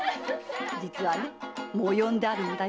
実はねもう呼んであるんだよ。